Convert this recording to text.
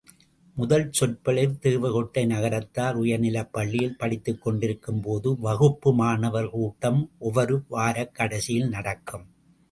முதல் சொற்பொழிவு தேவகோட்டை நகரத்தார் உயர்நிலைப் பள்ளியில் படித்துக்கொண்டிருக்கும்போது வகுப்பு மாணவர்கள் கூட்டம் ஒவ்வொரு வாரக் கடைசியில் நடக்கும்.